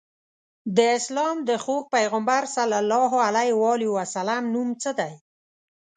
د اسلام د خوږ پیغمبر ص نوم څه دی؟